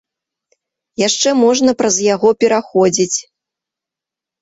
Яшчэ можна праз яго пераходзіць.